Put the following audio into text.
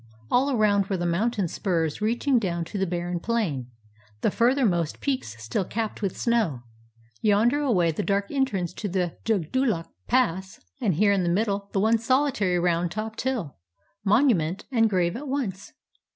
All around were the mountain spurs reaching down to the barren plain, the furthermost peaks still capped with snow. Yonder away the dark entrance to the Jugdullok Pass. And here in the middle the one solitary round topped hill — monument and grave at once.